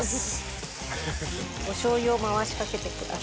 おしょう油を回しかけてください。